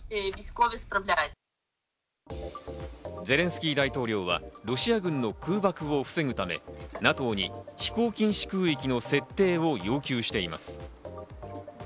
ゼレンスキー大統領はロシア軍の空爆を防ぐため、ＮＡＴＯに飛行禁止空域の設定を要求しています。